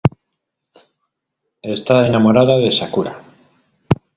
Está enamorada de Sakura.